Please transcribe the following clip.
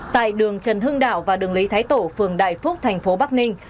tại đường trần hưng đạo và đường lý thái tổ phường đại phúc thành phố bắc ninh